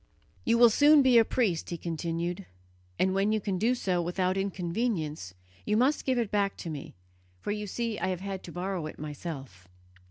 "You will soon be a priest," he continued, "and when you can do so without inconvenience, you must give it back to me, for you see I have had to borrow it myself."